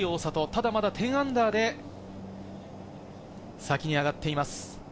ただまだ−１０で、先に上がっています。